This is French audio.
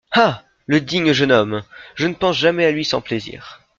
Ah ! le digne jeune homme ! je ne pense jamais à lui sans plaisir.